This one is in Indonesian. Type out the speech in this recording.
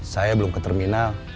saya belum ke terminal